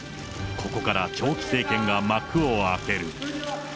ここから長期政権が幕を開ける。